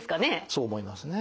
そう思いますね。